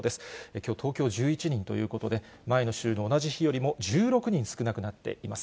きょう、東京１１人ということで、前の週の同じ日よりも１６人少なくなっています。